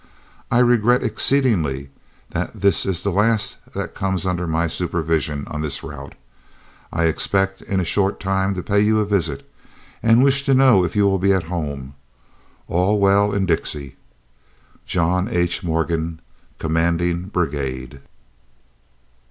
I regret exceedingly that this is the last that comes under my supervision on this route. I expect in a short time to pay you a visit, and wish to know if you will be at home. All well in Dixie. JOHN H. MORGAN, Commanding Brigade.